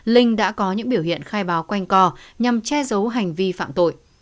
linh đã có những biểu hiện khai báo quanh co nhằm che giấu hành vi phạm tội